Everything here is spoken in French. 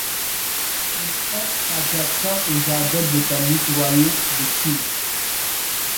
Il est adjacent aux Jardins Botaniques Royaux de Kew.